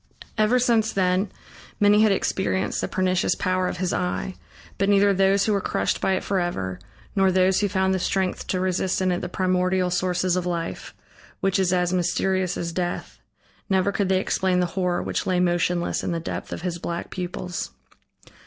Ever since then many had experienced the pernicious power of his eye, but neither those who were crushed by it forever, nor those who found the strength to resist in it the primordial sources of life, which is as mysterious as death, never could they explain the horror which lay motionless in the depth of his black pupils.